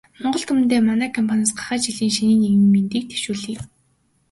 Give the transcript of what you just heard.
Монгол түмэндээ манай компаниас гахай жилийн шинийн нэгний мэндийг дэвшүүлье.